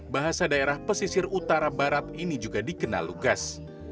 bahasa daerah pesisir utara barat ini juga dikenal lugas